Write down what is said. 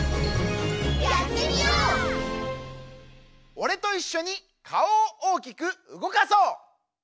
おれといっしょにかおをおおきくうごかそう！